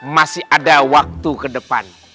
masih ada waktu ke depan